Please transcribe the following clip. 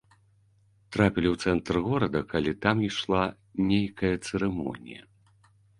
Трапілі ў цэнтр горада, калі там ішла нейкая цырымонія.